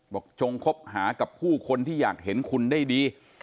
จงคบหากับผู้คนที่อยากเห็นคุณได้ดี